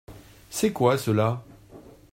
C’est quoi ceux-là ?